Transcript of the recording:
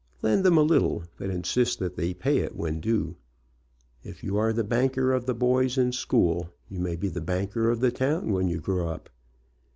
Lend them a little, but insist that they pay it when due. If you are the banker of the boys in school, you may be the banker of the town when you grow up.